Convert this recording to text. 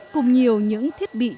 cùng nhiều những thiết bị thiết bị